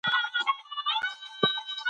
که لوړې ودانۍ جوړې سي نو ټولنیزې اړیکې سړېږي.